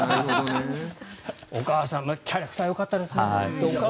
お母さんキャラクターよかったですね。